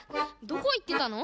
どこいってたの？